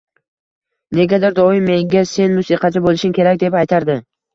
Negadir doim menga “Sen musiqachi bo’lishing kerak”, deb aytardi.